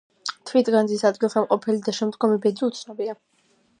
თვით განძის ადგილსამყოფელი და შემდგომი ბედი უცნობია.